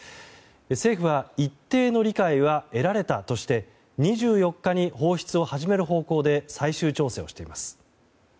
政府は一定の理解は得られたとして２４日に放出を始める方向で最終調整をしています。